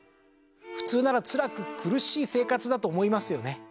普通ならつらく苦しい生活だと思いますよね。